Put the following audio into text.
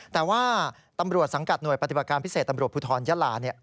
แต่ว่าตำรวจสังกัดหน่วยปฏิบัติการพิเศษตำรวจภูทรยะลา